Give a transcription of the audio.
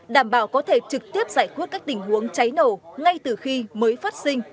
đảm bảo có thể trực tiếp giải quyết các tình huống cháy nổ ngay từ khi mới phát sinh